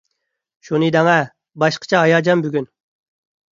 شۇنى دەڭە، باشقىچە ھاياجان بۈگۈن!